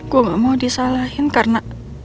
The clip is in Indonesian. gue gak mau disalahin karena